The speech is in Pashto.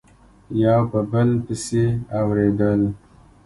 یو په بل پسي اوریدل